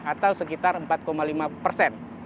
atau sekitar empat lima persen